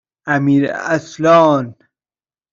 امیراصلان